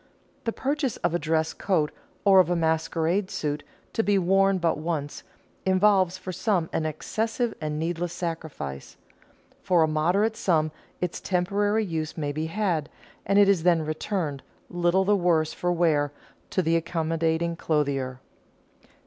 The purchase of a dress coat or of a masquerade suit to be worn but once, involves for some an excessive and needless sacrifice. For a moderate sum its temporary use may be had, and it is then returned, little the worse for wear, to the accommodating clothier.